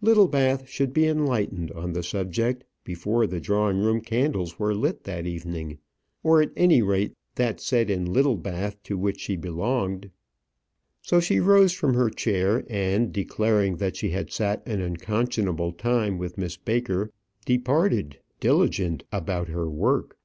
Littlebath should be enlightened on the subject before the drawing room candles were lit that evening; or at any rate that set in Littlebath to which she belonged. So she rose from her chair, and, declaring that she had sat an unconscionable time with Miss Baker, departed, diligent, about her work.